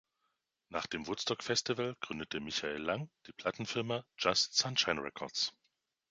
Nach dem Woodstock-Festival gründete Michael Lang die Plattenfirma Just Sunshine Records.